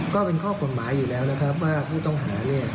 ก็เป็นข้อกฎหมายอยู่แล้วนะครับว่าผู้ต้องหาเนี่ย